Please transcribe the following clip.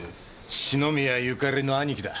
篠宮ゆかりの兄貴だ。